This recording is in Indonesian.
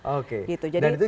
oke dan itu